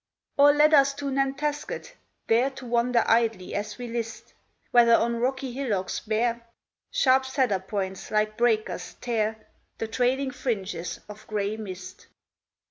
Or let us to Nantasket, there To wander idly as we list, Whether, on rocky hillocks bare, Sharp cedar points, like breakers, tear The trailing fringes of gray mist.